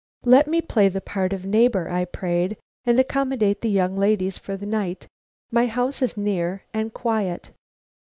"Let me play the part of a neighbor," I prayed, "and accommodate the young ladies for the night. My house is near and quiet."